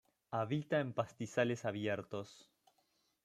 Habita en pastizales abiertos.